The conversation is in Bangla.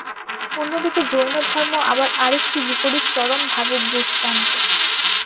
অন্যদিকে জৈনধর্ম আবার আর একটি বিপরীত চরম ভাবের দৃষ্টান্ত।